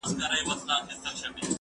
ايا ته لاس مينځې